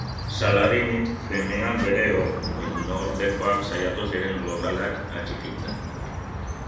Saladin hil zenean, bere oinordekoak saiatu ziren lurraldeak atxikitzen.